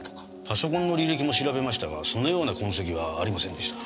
パソコンの履歴も調べましたがそのような痕跡はありませんでした。